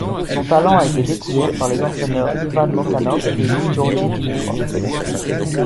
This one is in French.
Son talent a été découvert par les entraîneurs Ivan Mokanov et Goergi Dimitrov.